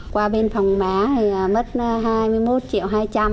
qua bên phòng má thì mất hai mươi một triệu hai trăm linh